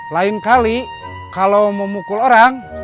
lain kali kalau memukul orang